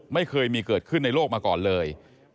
ไม่เคยมีเกิดขึ้นในโลกมาก่อนเลย